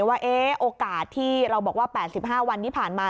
ว่าโอกาสที่เราบอกว่า๘๕วันที่ผ่านมา